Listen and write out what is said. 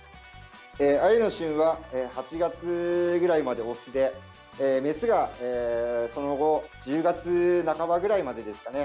アユの旬は８月ぐらいまでオスでメスが、その後１０月半ばくらいまでですかね。